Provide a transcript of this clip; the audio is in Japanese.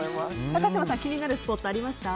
高嶋さん、気になるスポットありました？